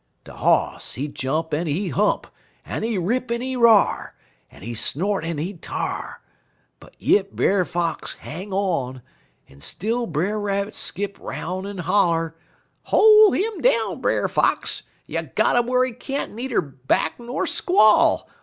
"De Hoss, he jump en he hump, en he rip en he r'ar, en he snort en he t'ar. But yit Brer Fox hang on, en still Brer Rabbit skip 'roun' en holler: "'Hol' 'im down, Brer Fox! You got 'im whar he can't needer back ner squall.